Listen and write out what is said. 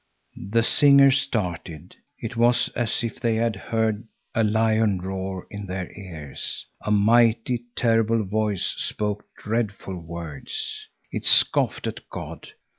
The singers started. It was as if they had heard a lion roar in their ears. A mighty, terrible voice spoke dreadful words. It scoffed at God.